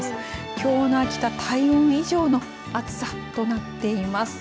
きょうの秋田体温以上の暑さとなっています。